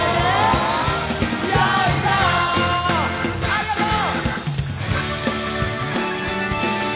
ありがとう！